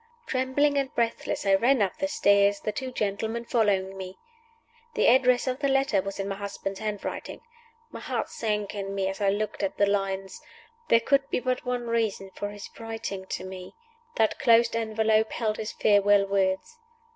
Trembling and breathless, I ran up the stairs, the two gentlemen following me. The address of the letter was in my husband's handwriting. My heart sank in me as I looked at the lines; there could be but one reason for his writing to me. That closed envelope held his farewell words.